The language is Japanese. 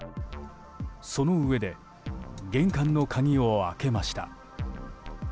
そのうえで玄関の鍵を開けました。